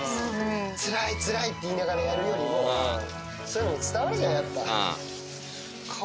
つらいつらいって言いながらやるよりも、そういうの伝わるじゃん、やっぱり。